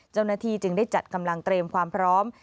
เจ้าหน้าที่จึงได้จัดกำลังเตรียมความพร้อม